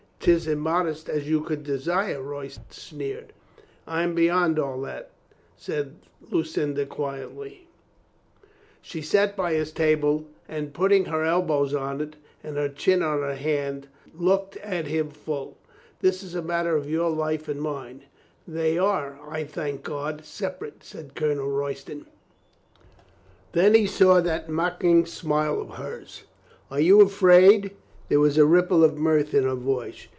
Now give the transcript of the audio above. " 'Tis immodest as you could desire," Royston sneered. "I am beyond all that," said Lucinda quietly. She 220 COLONEL STOW WARNS HIS FRIEND 221 sat by his table, and putting her elbows on it and her chin on her hands, looked at him full. "This is a matter of your life and mine." "They are, I thank God, separate," said Colonel Royston. Then he saw that mocking smile of hers. "Are you afraid?" There was a ripple of mirth in her voice.